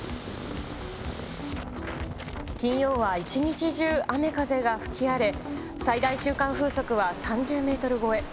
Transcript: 金曜は一日中雨風が吹き荒れ、最大瞬間風速は３０メートル超え。